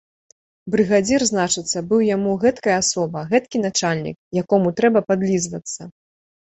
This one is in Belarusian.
Брыгадзір, значыцца, быў яму гэткая асоба, гэткі начальнік, якому трэба падлізвацца.